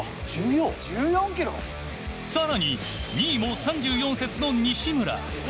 更に２位も３４節の西村。